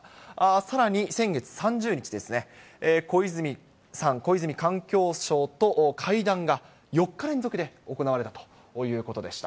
さらに先月３０日ですね、小泉さん、小泉環境相と会談が、４日連続で行われたということでした。